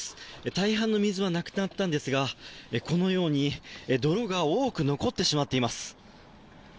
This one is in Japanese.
大半の水はなくなったんですがこのように泥が多く残ってしまっています。